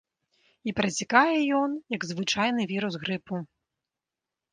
І працякае ён, як звычайны вірус грыпу.